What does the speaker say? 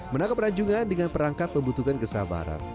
menangkap rajungan dengan perangkap membutuhkan kesabaran